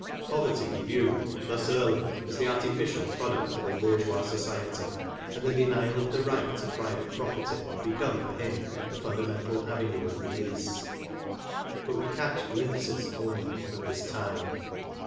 Poverty he viewed, thus early, as the artificial product of a bourgeois society ; and the denial of the right to private property had become for him the fundamental avenue of release. But we catch glimpses only of this time.